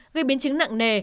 gây biến chứng nặng nề